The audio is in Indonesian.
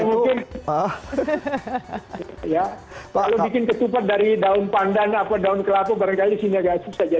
ya mungkin kalau bikin ketupat dari daun pandan atau daun kelapa barangkali isinya gak asik saja